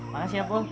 makasih ya pak